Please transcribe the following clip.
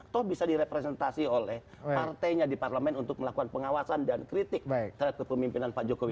toh bisa direpresentasi oleh partainya di parlemen untuk melakukan pengawasan dan kritik terhadap kepemimpinan pak jokowi